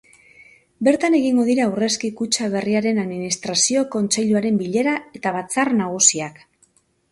Bertan egingo dira aurrezki kutxa berriaren administrazio kontseiluaren bilera eta batzar nagusiak.